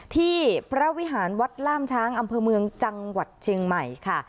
ที่พระวิหารวัดล่ามช้างอำเภอเมืองจังหวัดเชียงใหม่ค่ะ